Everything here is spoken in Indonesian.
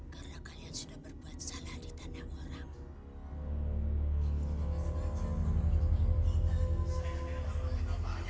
karena kalian sudah berbuat salah di tanah orang